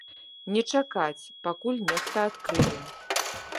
Не чакаць, пакуль нехта адкрые.